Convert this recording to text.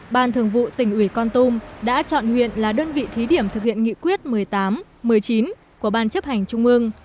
ban thường vụ tỉnh ủy con tum đã chọn huyện là đơn vị thí điểm thực hiện nghị quyết một mươi tám một mươi chín của ban chấp hành trung ương